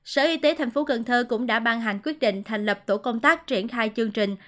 sở y tế thành phố cần thơ cũng đã ban hành quyết định thành lập tổ công tác triển khai chương trình